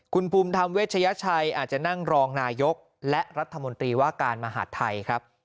คุณภูมิธรรมเวชยชัยอาจจะนั่งรองนายกและรัฐมนตรีว่าการมหาดไทยครับ